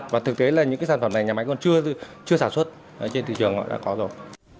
và thực tế là những cái sản phẩm này nhà máy còn chưa sản xuất trên thị trường đã có rồi